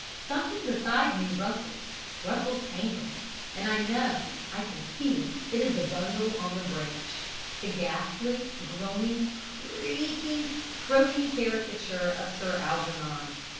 "Something beside me rustles rustles angrily, and I know, I can feel, it is the bundle on the branch the ghastly, groaning, creaking, croaking caricature of Sir Algernon.